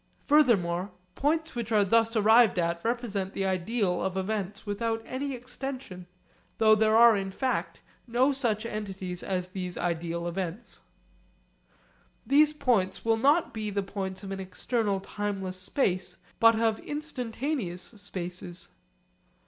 Furthermore, points which are thus arrived at represent the ideal of events without any extension, though there are in fact no such entities as these ideal events. These points will not be the points of an external timeless space but of instantaneous spaces.